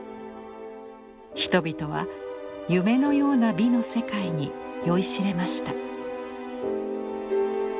人々は夢のような美の世界に酔いしれました。